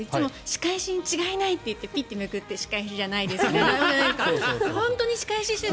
仕返しに違いないと言ってピッてめくって仕返しじゃないですって。